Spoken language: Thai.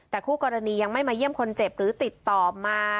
แต่คู่กรณียังไม่มาเยี่ยมคนเจ็บหรือติดต่อมา